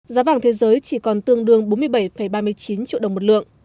giá vàng thế giới chỉ còn tương đương bốn mươi bảy ba mươi chín triệu đồng một lượng